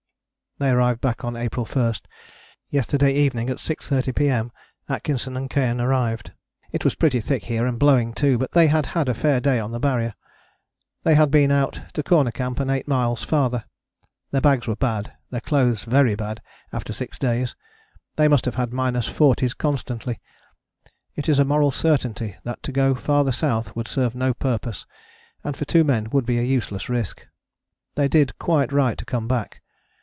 " "They arrived back on April 1. Yesterday evening at 6.30 P.M. Atkinson and Keohane arrived. It was pretty thick here and blowing too, but they had had a fair day on the Barrier. They had been out to Corner Camp and eight miles farther. Their bags were bad, their clothes very bad after six days: they must have had minus forties constantly. It is a moral certainty that to go farther south would serve no purpose, and for two men would be a useless risk. They did quite right to come back.